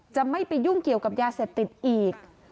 จะไม่ไปยุ่งเกี่ยวกับยาเสพติดอีก